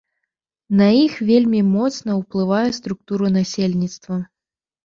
На іх вельмі моцна ўплывае структура насельніцтва.